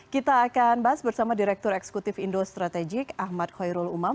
kita akan bahas bersama direktur eksekutif indo strategik ahmad khairul umam